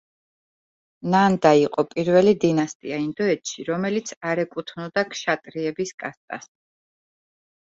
ნანდა იყო პირველი დინასტია ინდოეთში, რომელიც არ ეკუთვნოდა ქშატრიების კასტას.